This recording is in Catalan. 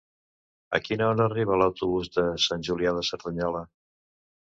A quina hora arriba l'autobús de Sant Julià de Cerdanyola?